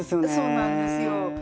そうなんですよ。